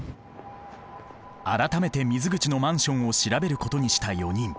改めて水口のマンションを調べることにした４人。